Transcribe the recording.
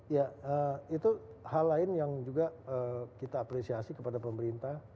ya itu hal lain yang juga kita apresiasi kepada pemerintah